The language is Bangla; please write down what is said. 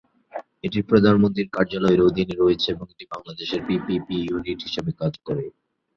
এটি প্রধানমন্ত্রীর কার্যালয়ের অধীনে রয়েছে এবং এটি বাংলাদেশের পিপিপি ইউনিট হিসাবে কাজ করে।